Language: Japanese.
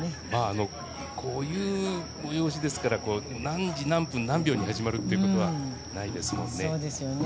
こういう催しですから何時何分何秒に始まるっていうことはないですもんね。